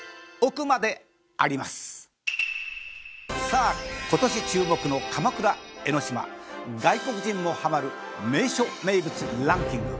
さあ今年注目の鎌倉・江の島外国人もハマる名所・名物ランキング。